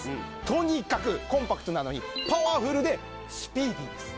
とにかくコンパクトなのにパワフルでスピーディーです